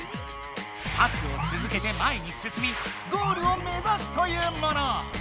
パスをつづけて前にすすみゴールを目ざすというもの！